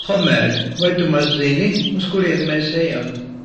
Homēr, vai tu maz zini, uz kurieni mēs ejam?